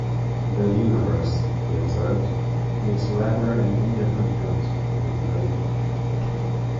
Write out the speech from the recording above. "The universe," he observed, "makes rather an indifferent parent, I am afraid."